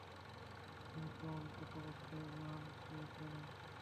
তুমি তো অন্ততপক্ষে রোহানকে চেনো।